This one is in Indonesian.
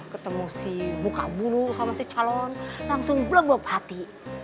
ketemu si buka bulu sama si calon langsung blok blop hati